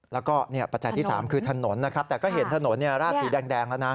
แล้วก็ปัจจัยที่๓คือถนนนะครับแต่ก็เห็นถนนราดสีแดงแล้วนะ